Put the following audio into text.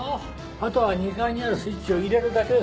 あとは２階にあるスイッチを入れるだけですわ。